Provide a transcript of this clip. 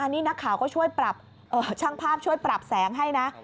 นี่นักข่าวก็ช่วยปรับช่างภาพช่วยปรับแสงให้นะ